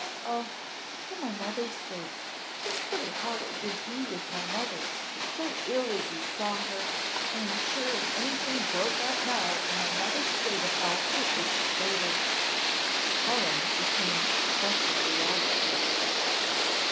Oh! for my mother's sake! Consider how it would be with my mother, so ill as you saw her! I am sure if anything broke out now in my mother's state of health it would be fatal." Helen became excessively agitated.